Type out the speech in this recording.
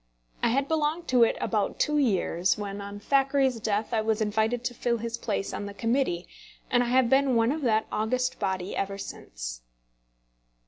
I had belonged to it about two years, when, on Thackeray's death, I was invited to fill his place on the Committee, and I have been one of that august body ever since.